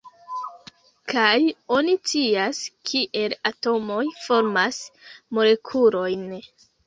Kaj oni scias, kiel atomoj formas molekulojn.